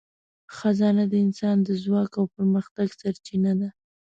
خزانه د انسان د ځواک او پرمختګ سرچینه ده.